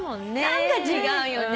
何か違うよね。